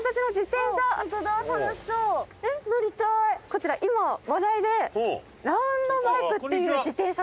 こちら今話題でラウンドバイクっていう自転車なんですよ。